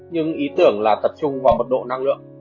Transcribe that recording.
nhưng ý tưởng là tập trung vào mật độ năng lượng